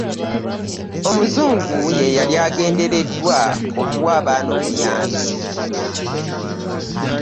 Omuzungu y'eyali agenderedwa okuwa abaana obuyambi